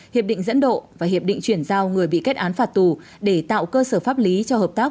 hiệp định dẫn độ và hiệp định chuyển giao người bị kết án phạt tù để tạo cơ sở pháp lý cho hợp tác